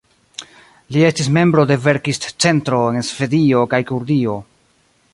Li estis membro de verkist-centro en Svedio kaj Kurdio.